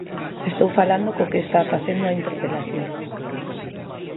Estou falando co que está facendo a interpelación.